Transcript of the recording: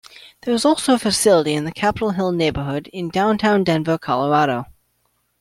There is also a facility in the Capitol Hill neighborhood in downtown Denver, Colorado.